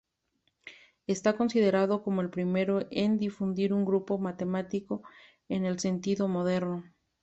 Está considerado como el primero en definir un grupo matemático, en el sentido moderno.